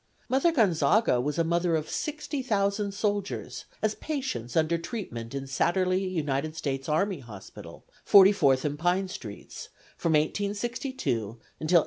"Mother Gonzaga was a mother of sixty thousand soldiers, as patients under treatment in Satterlee United States Army Hospital, Forty fourth and Pine streets, from 1862 until 1865.